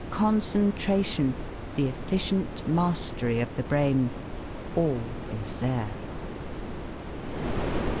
Concentration, the efficient mastery of the brain all is there!